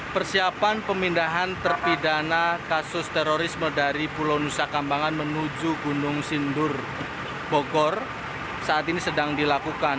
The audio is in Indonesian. persiapan pemindahan terpidana kasus terorisme dari pulau nusa kambangan menuju gunung sindur bogor saat ini sedang dilakukan